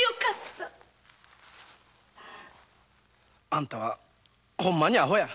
あんたはホンマにアホや。